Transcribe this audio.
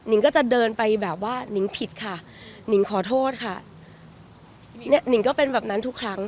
งก็จะเดินไปแบบว่านิงผิดค่ะนิงขอโทษค่ะนิงก็เป็นแบบนั้นทุกครั้ง